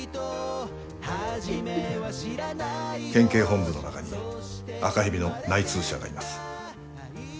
県警本部の中に赤蛇の内通者がいます。